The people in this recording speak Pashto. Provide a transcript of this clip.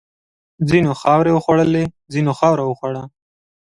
ځینو خاورې وخوړلې، ځینو خاوره وخوړه.